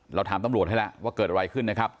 เราถามตำรวจให้แล้วว่าเกิดอะไรขึ้นนะครับ